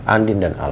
andin dan al